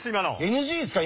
ＮＧですか？